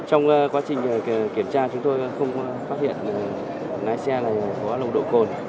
trong quá trình kiểm tra chúng tôi không phát hiện lái xe có lộ độ cồn